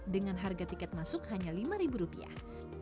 dengan harga tiket masuk hanya lima ribu rupiah